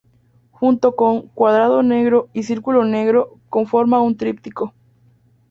Junto con "Cuadrado negro" y "Círculo negro" conforma un tríptico.